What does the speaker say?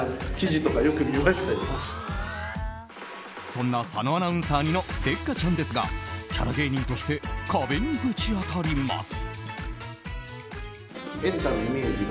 そんな佐野アナウンサー似のデッカチャンですがキャラ芸人として壁にぶち当たります。